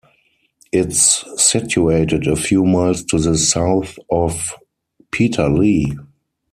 It's situated a few miles to the south of Peterlee.